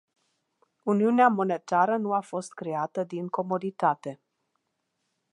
Uniunea monetară nu a fost creată din comoditate.